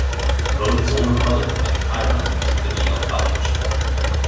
Both his older brother and Hiram attended Yale College.